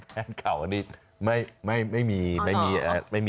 แฟนเก่าอันนี้ไม่มีไม่มีแล้ว